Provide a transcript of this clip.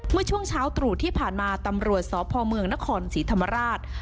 เมื่อช่วงเช้าตรู่ที่ผ่านมาตำรวจสพเมืองนครศรีธรรมราช